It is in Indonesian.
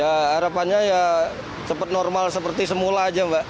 ya harapannya ya cepat normal seperti semula aja mbak